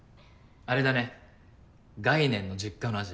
あれだね概念の実家の味。